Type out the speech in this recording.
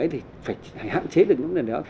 thì phải hạn chế được những cái đó